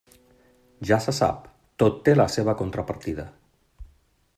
Ja se sap, tot té la seva contrapartida.